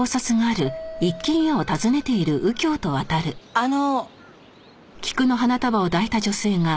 あの。